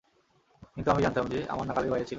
কিন্তু আমি জানতাম সে আমার নাগালের বাইরে ছিল।